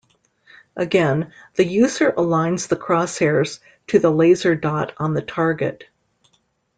Again, the user aligns the crosshairs to the laser dot on the target.